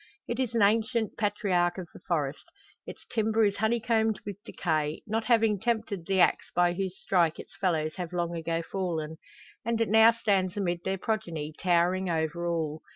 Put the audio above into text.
It is an ancient patriarch of the forest; its timber is honeycombed with decay, not having tempted the axe by whose stroke its fellows have long ago fallen, and it now stands amid their progeny, towering over all.